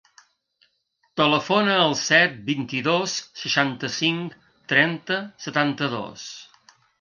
Telefona al set, vint-i-dos, seixanta-cinc, trenta, setanta-dos.